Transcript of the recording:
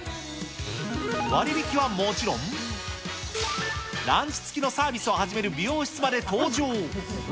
割引はもちろん、ランチ付きのサービスを始める美容室まで登場。